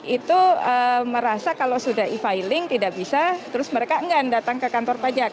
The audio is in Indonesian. itu merasa kalau sudah e filing tidak bisa terus mereka enggan datang ke kantor pajak